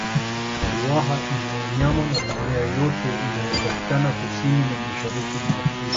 ruaha ina wanyama na mimea yote inayopatikana kusini na mashariki mwa afrika